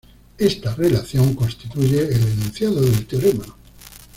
Esta relación constituye el enunciado del teorema.